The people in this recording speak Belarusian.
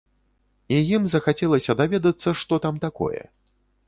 І ім захацелася даведацца, што там такое.